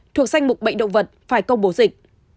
thuộc danh mục bệnh động vật phải công bố dịch